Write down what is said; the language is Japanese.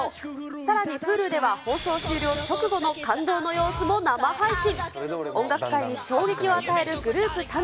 さらにＨｕｌｕでは放送終了直後の感動の様子も生配信。